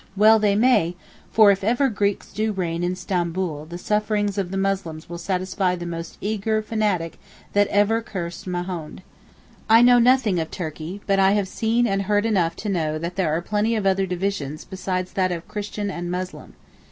Well they may; for if ever the Greeks do reign in Stamboul the sufferings of the Muslims will satisfy the most eager fanatic that ever cursed Mahound. I know nothing of Turkey, but I have seen and heard enough to know that there are plenty of other divisions besides that of Christian and Muslim.